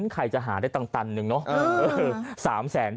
ใครจะหาได้ตันหนึ่งเนอะ